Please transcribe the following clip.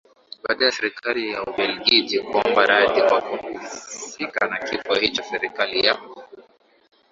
baada ya Serikali ya Ubeligiji kuomba radhi kwa kuhusika na kifo hicho Serikali ya